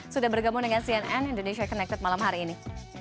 sudah bergabung dengan cnn indonesia connected malam hari ini